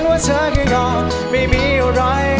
ว่าเธอก็ยอมไม่มีอะไร